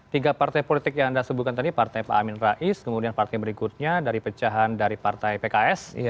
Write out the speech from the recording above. tiga partai politik yang anda sebutkan tadi partai pak amin rais kemudian partai berikutnya dari pecahan dari partai pks